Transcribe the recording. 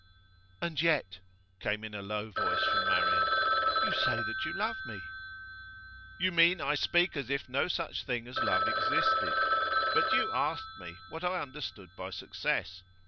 'And yet,' came in a low voice from Marian, 'you say that you love me.' 'You mean that I speak as if no such thing as love existed. But you asked me what I understood by success.